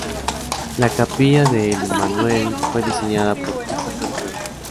La capilla del Emmanuel fue diseñada por Christopher Wren.